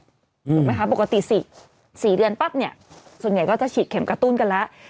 ถูกไหมคะปกติ๔เดือนปั๊บเนี่ยส่วนใหญ่ก็จะฉีดเข็มกระตุ้นกันแล้ว